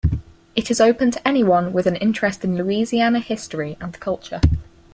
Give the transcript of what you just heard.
It is open to anyone with an interest in Louisiana history and culture.